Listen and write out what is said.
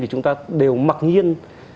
thì chúng ta đều mặc nhiên